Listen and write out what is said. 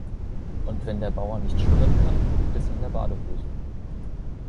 Und wenn der Bauer nicht schwimmen kann, liegt es an der Badehose.